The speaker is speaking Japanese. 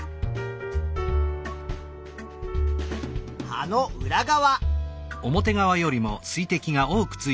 葉の裏側。